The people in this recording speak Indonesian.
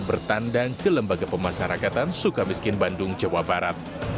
bertandang ke lembaga pemasarakatan sukamiskin bandung jawa barat